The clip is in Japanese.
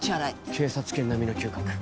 警察犬並みの嗅覚。